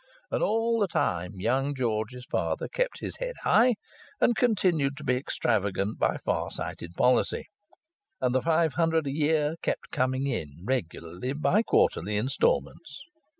And all the time young George's father kept his head high and continued to be extravagant by far sighted policy. And the five hundred a year kept coming in regularly by quarterly instalments.